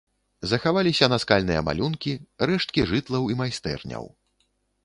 Захаваліся наскальныя малюнкі, рэшткі жытлаў і майстэрняў.